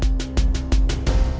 aku mau pulang dulu ya mas